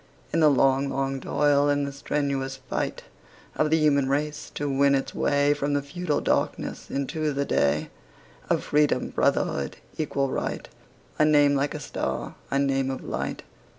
In long, long toil and the strenuous fight Of the human race to win its way From the feudal darkness into the day Of Freedom, Brotherhood, Equal Right, A name like a star, a name of light.